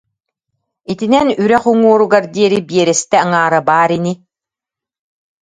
Итинэн үрэх уҥуоругар диэри биэрэстэ аҥаара баар ини